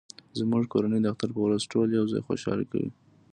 زموږ کورنۍ د اختر په ورځ ټول یو ځای خوشحالي کوي